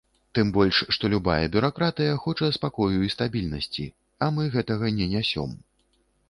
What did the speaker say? Тым больш, што любая бюракратыя хоча спакою і стабільнасці, а мы гэтага не нясём.